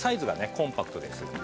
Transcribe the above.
コンパクトですのでね